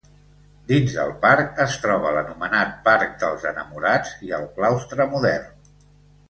Dins del parc es troba l'anomenat parc dels Enamorats i el Claustre Modern.